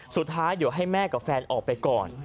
สุดท้ายเดี๋ยวให้แม่กับแฟนออกไปก่อน